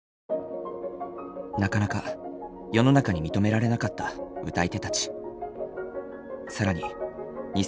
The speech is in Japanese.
なかなか世の中に認められなかった歌い手たち。